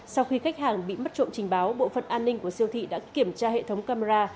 sau khi khách hàng bị mất trộm trình báo bộ phận an ninh của siêu thị đã kiểm tra hệ thống camera